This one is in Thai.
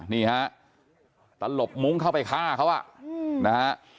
นี่ฮะตลบมุ้งเข้าไปฆ่าเขานะฮะ